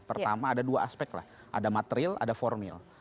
pertama ada dua aspek lah ada material ada formil